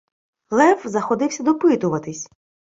Лев заходився допитуватись: